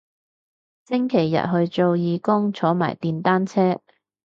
星期日去做義工坐埋電單車